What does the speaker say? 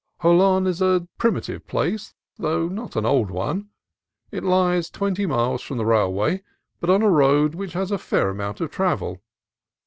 Jolon is a primitive place, though not an old one. It lies twenty miles from the railway, but on a road which has a fair amount of travel.